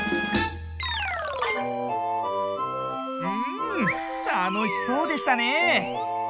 うんたのしそうでしたね！